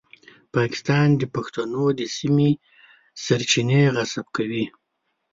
پاکستان د پښتنو د سیمې سرچینې غصب کوي.